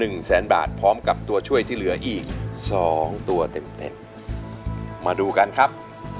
คุณหน่อยร้องได้หรือว่าร้องผิดครับ